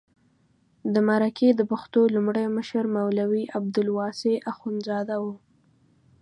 د مرکه د پښتو لومړی مشر مولوي عبدالواسع اخندزاده و.